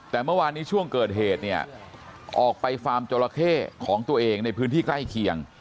แต่เมื่อวานนี้ช่วงเกิดเหตุเนี่ยออกไปฟาร์มจราเข้ของตัวเองในพื้นที่ใกล้เคียง